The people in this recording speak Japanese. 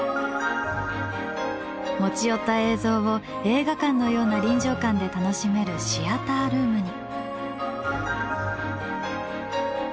持ち寄った映像を映画館のような臨場感で楽しめるシアタールームに。